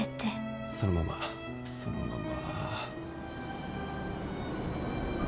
そのままそのまま。